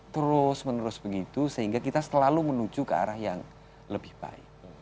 terus menerus begitu sehingga kita selalu menuju ke arah yang lebih baik